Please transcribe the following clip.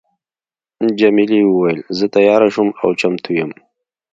جميلې وويل: زه تیاره شوم او چمتو یم.